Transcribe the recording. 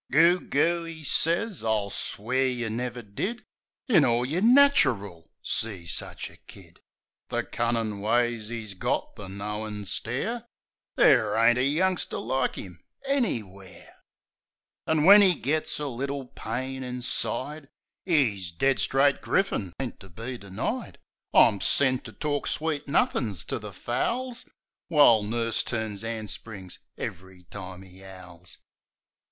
"Goog, goo," 'e sez. I'll swear yeh never did In all yer natcheril, see sich a kid. The cunnin' ways 'e's got; the knowin' stare — Ther' ain't a youngster like 'im anywhere! THE KID 103 An', when 'e gets a little pain inside, 'Is dead straight griffin ain't to be denied. I'm sent to talk sweet nuffin's to the fowls; While nurse turns 'and springs ev'ry time 'e 'owls.